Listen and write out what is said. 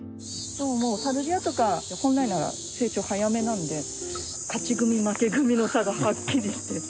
サルビアとか本来なら成長早めなので勝ち組負け組の差がはっきりしてる。